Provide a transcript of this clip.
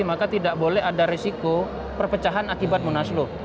maka tidak boleh ada risiko perpecahan akibat munaslup